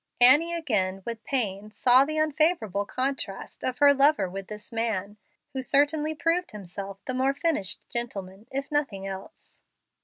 Annie again, with pain, saw the unfavorable contrast of her lover with this man, who certainly proved himself the more finished gentleman, if nothing else.